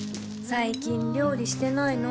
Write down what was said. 最近料理してないの？